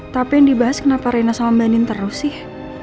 tapi yang dibahas kenapa rena sama andin terus sih